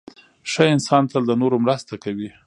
• ښه انسان تل د نورو مرسته کوي.